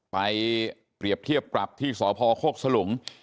เปรียบเทียบปรับที่สพโคกสลุง